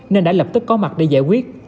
nên đã lập tức có mặt để giải quyết